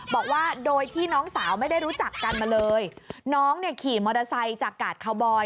บอกว่าโดยที่น้องสาวไม่ได้รู้จักกันมาเลยน้องเนี่ยขี่มอเตอร์ไซค์จากกาดคาวบอย